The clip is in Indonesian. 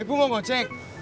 ibu mau ngecek